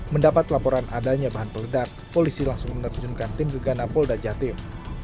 mendapat laporan adanya bahan peledak polisi langsung menerjunkan tim gegana polda jatim